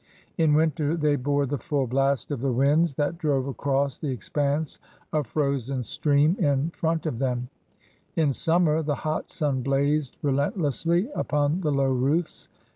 In winter they bore the full blast of the winds that 808 CRUSADEBS OF NEW PRANCE drove across the expanse of frozen stream in front of them; in sunmier the hot sun blazed relentlessly upon the low roofs.